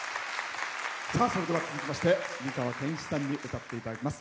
それでは、続きまして美川憲一さんに歌っていただきます。